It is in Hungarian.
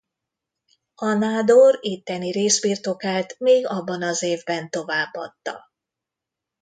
A nádor itteni részbirtokát még abban az évben továbbadta.